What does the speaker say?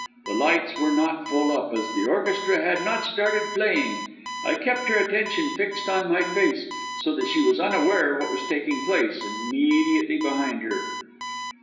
The lights were not full up, as the orchestra had not started playing. I kept her attention fixed on my face so that she was unaware what was taking place, immediately behind her.